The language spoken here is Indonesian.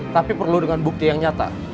tapi perlu dengan bukti yang nyata